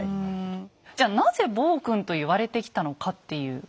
じゃなぜ「暴君」と言われてきたのかっていうことですよね。